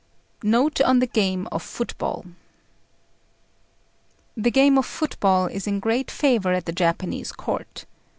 NOTE ON THE GAME OF FOOTBALL. The game of football is in great favour at the Japanese Court.